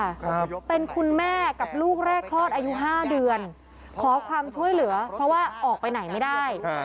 ครับเป็นคุณแม่กับลูกแรกคลอดอายุห้าเดือนขอความช่วยเหลือเพราะว่าออกไปไหนไม่ได้อ่า